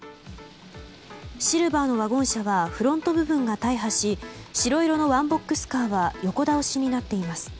シルバーのワゴン車はフロント部分が大破し白色のワンボックスカーは横倒しになっています。